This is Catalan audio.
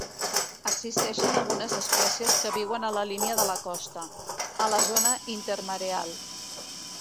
Existeixen algunes espècies que viuen a la línia de la costa, a la zona intermareal.